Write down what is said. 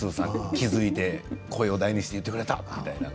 気付いて声を大にして言ってくれたと。